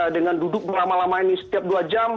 dengan duduk berlama lama ini setiap dua jam